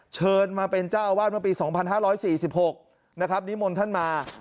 เชิญมาเป็นเจ้าอาวาสเมื่อปี๒๕๔๖นะครับนิมนต์ท่านมา